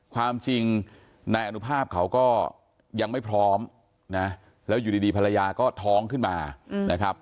ความจริงนายอนุภาพเขาก็ยังไม่พร้อมนะแล้วอยู่ดีภรรยาก็ท้องขึ้นมานะครับ